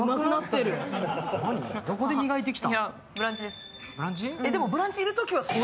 どこで磨いてきた？